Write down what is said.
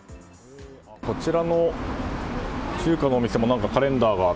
こちらの中華のお店もカレンダーが。